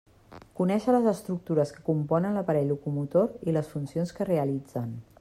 Conéixer les estructures que componen l'aparell locomotor i les funcions que realitzen.